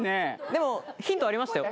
でもヒントはありましたよ。